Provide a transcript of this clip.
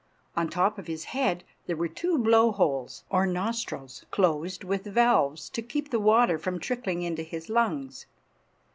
On top of his head there were two blow holes, or nostrils, closed with valves, to keep the water from trickling into his lungs.